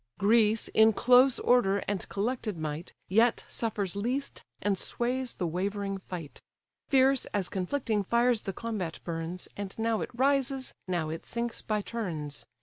Greece, in close order, and collected might, Yet suffers least, and sways the wavering fight; Fierce as conflicting fires the combat burns, And now it rises, now it sinks by turns.